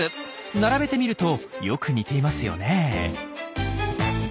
並べてみるとよく似ていますよね。